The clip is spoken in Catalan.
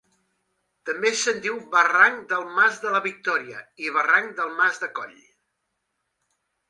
També se'n diu Barranc del Mas de la Victòria i Barranc del mas de Coll.